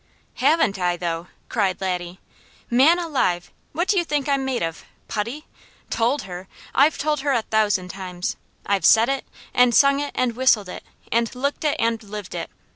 "Haven't I though?" cried Laddie. "Man alive! What do you think I'm made of? Putty? Told her? I've told her a thousand times. I've said it, and sung it and whistled it, and looked it, and lived it.